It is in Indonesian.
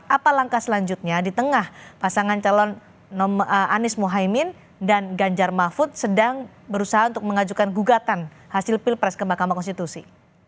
apa langkah selanjutnya di tengah pasangan calon anies mohaimin dan ganjar mahfud sedang berusaha untuk mengajukan gugatan hasil pilpres ke mahkamah konstitusi